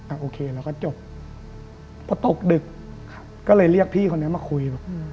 อ่ะโอเคแล้วก็จบเพราะตกดึกก็เลยเรียกพี่คนเนี้ยมาคุย